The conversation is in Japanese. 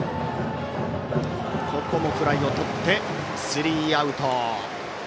フライをとって、スリーアウト。